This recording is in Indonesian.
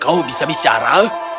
kau bisa bicara